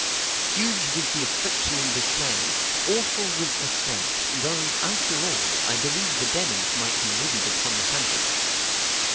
Huge was the affliction and dismay, awful was the smash, though, after all, I believe the damage might be levied upon the hundred.